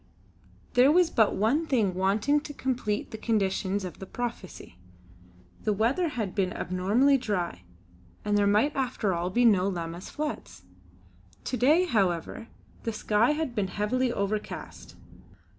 There was but one thing wanting to complete the conditions of the prophecy. The weather had been abnormally dry, and there might after all be no Lammas floods. To day, however, the sky had been heavily overcast.